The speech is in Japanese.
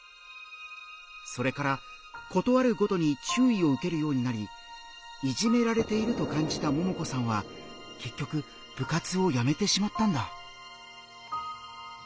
それから事あるごとに注意を受けるようになりいじめられていると感じたももこさんは結局部活をやめてしまったんだ。